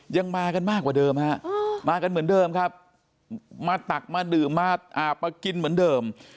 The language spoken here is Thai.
ยังมากันมากกว่าเดิมฮะมากันเหมือนเดิมครับมาตักมาดื่มมาอาบมากินเหมือนเดิม